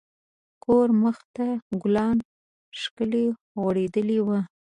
د کور مخ ته ګلان ښکلي غوړیدلي وو.